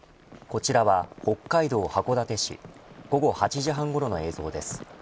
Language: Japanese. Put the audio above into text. こちらは北海道函館市午後８時半ごろの映像です。